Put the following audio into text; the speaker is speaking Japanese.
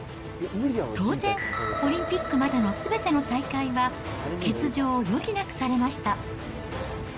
当然、オリンピックまでのすべての大会は欠場を余儀なくされました。